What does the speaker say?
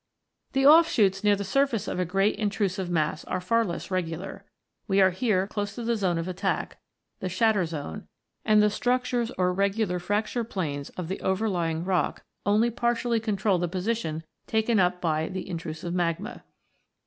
The offshoots near the surface of a great intrusive mass are far less regular. We are here close to the zone of attack, the " shatter zone," and the structures or regular fracture planes of the overlying rock only partially control the position taken up by^the in trusive magma.